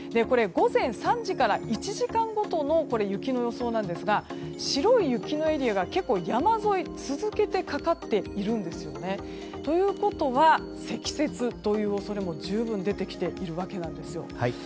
午前３時から１時間ごとの雪の予想なんですが白い雪のエリアが結構、山沿いに続けてかかっているんですね。ということは、積雪という恐れも十分出てきているわけです。